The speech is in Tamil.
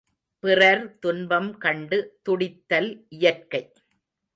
பிறர் துன்பம் கண்டு துடித்தல் இயற்கை.